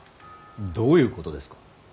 どういうことですか。